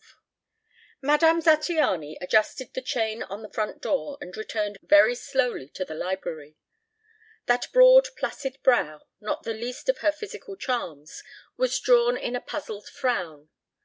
XII Madame Zattiany adjusted the chain on the front door and returned very slowly to the library. That broad placid brow, not the least of her physical charms, was drawn in a puzzled frown.